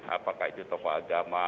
apakah itu tokoh agama